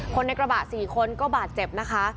คนในกระบะ๔คนก็บาดเจ็บนะคะ